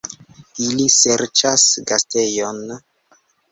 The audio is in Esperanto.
Ili serĉas gastejon!